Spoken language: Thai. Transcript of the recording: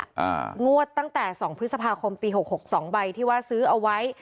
อ่างวดตั้งแต่สองพฤษภาคมปีหกหกสองใบที่ว่าซื้อเอาไว้